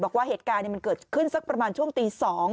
บอกว่าเหตุการณ์มันเกิดขึ้นสักประมาณช่วงตี๒